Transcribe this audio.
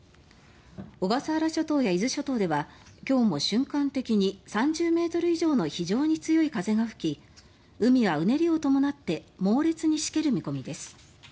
小笠原諸島や伊豆諸島では今日も瞬間的に３０ｍ以上の非常に強い風が吹き海はうねりを伴って猛烈にしける見込みです。